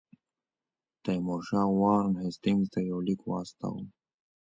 تیمورشاه وارن هیسټینګز ته یو لیک واستاوه.